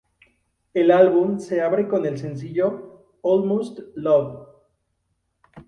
El álbum se abre con el sencillo "Almost Love".